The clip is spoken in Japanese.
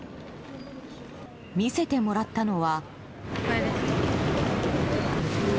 見せてもらったのは。